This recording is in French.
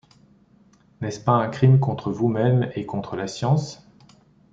N’est-ce pas un crime contre vous-même et contre la science?